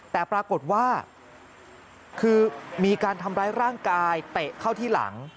แต่ปรากฏว่าคือมีการทำร้ายร่างกายเตะเข้าที่หลัง